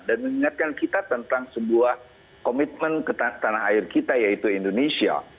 dan mengingatkan kita tentang sebuah komitmen ke tanah air kita yaitu indonesia